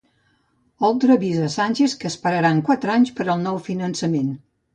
Oltra avisa Sánchez que esperaran quatre anys per al nou finançament.